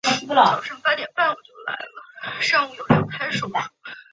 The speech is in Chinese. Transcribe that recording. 本鱼栖息于海岸沼泽与泛滥区域。